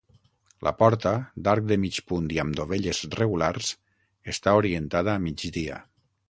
La porta, d'arc de mig punt i amb dovelles regulars, està orientada a migdia.